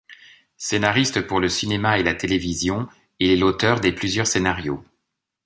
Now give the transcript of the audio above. Scénariste pour le cinéma et la télévision, il est l’auteur des plusieurs scénarios.